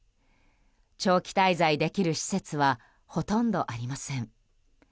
長期滞在できる施設はほとんどありません。